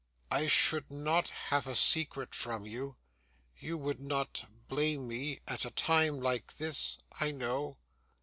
I should not have a secret from you. You would not blame me, at a time like this, I know.